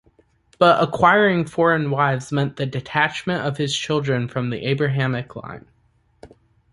But acquiring foreign wives meant the detachment of his children from the Abrahamic line.